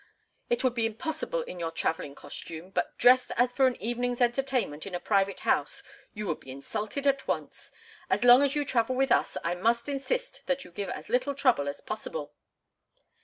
It would be impossible in your travelling costume, but dressed as for an evening's entertainment in a private house you would be insulted at once. As long as you travel with us I must insist that you give as little trouble as possible."